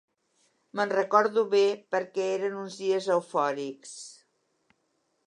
Me'n recordo bé perquè eren uns dies eufòrics.